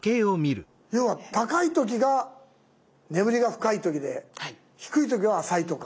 要は高い時が眠りが深い時で低い時は浅いとか。